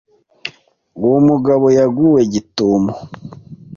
Uwo mugabo yaguwe gitumo